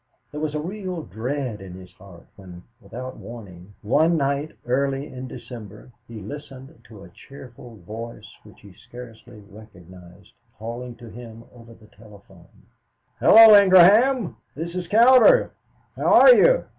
There was a real dread in his heart when, without warning, one night early in December, he listened to a cheerful voice which he scarcely recognized, calling to him over the telephone, "Hello, Ingraham! this is Cowder how are you?"